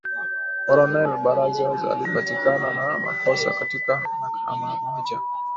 Coronel Barreras alipatikana na makosa katika mahakama moja